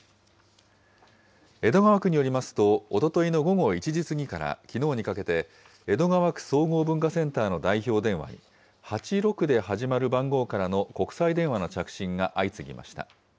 江戸川区によりますと、おとといの午後１時過ぎからきのうにかけて、江戸川区総合文化センターの代表電話に、８６で始まる番号からの国際電話の着信が相次ぎました。